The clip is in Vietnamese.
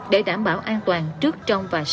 để đảm bảo an toàn trước trong và sau